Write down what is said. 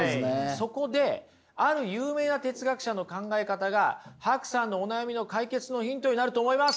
そこである有名な哲学者の考え方がＨＡＫＵさんのお悩みの解決のヒントになると思います。